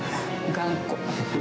頑固。